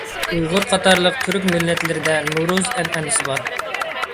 ئۇيغۇر قاتارلىق تۈرك مىللەتلىرىدە نورۇز ئەنئەنىسى بار.